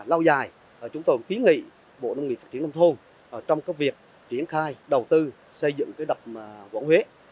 lâu dài chúng tôi ký nghị bộ nông nghị phát triển nông thôn trong việc triển khai đầu tư xây dựng đập quảng huế